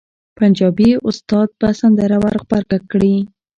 پنجابي استاد به سندره ور غبرګه کړي.